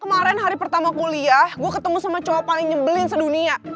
kemarin hari pertama kuliah gue ketemu sama cowok paling nyebelin sedunia